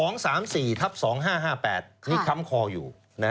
นี่ค้ำคออยู่